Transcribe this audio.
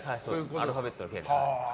アルファベットのＫ。